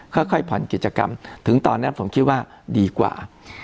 ค่อยผ่อนกิจกรรมถึงตอนนั้นผมคิดว่าดีกว่า